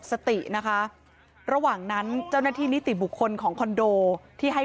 สตินะคะระหว่างนั้นเจ้าหน้าที่นิติบุคคลของคอนโดที่ให้